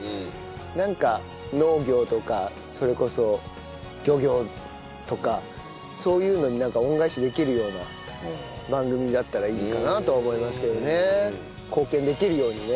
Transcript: なんか農業とかそれこそ漁業とかそういうのに恩返しできるような番組になったらいいかなと思いますけどね。